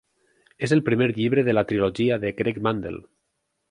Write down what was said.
És el primer llibre de la trilogia de Greg Mandel.